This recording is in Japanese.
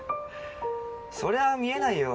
そりゃあ見えないよ